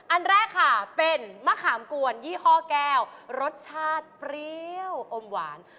อันแรกค่ะเป็นมะขามกวนยี่ห้อแก้วรสชาติเปรี้ยวอมหวาน